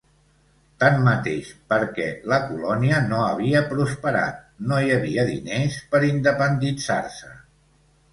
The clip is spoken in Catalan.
Tanmateix, perquè la colònia no havia prosperat, no hi havia diners per independitzar-se.